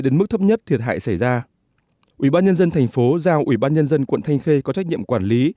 đến mức thấp nhất thiệt hại xảy ra ubnd tp giao ubnd quận thanh khê có trách nhiệm quản lý